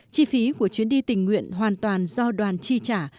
chi phí của chuyến đi tình nguyện hoàn toàn do đoàn chi trả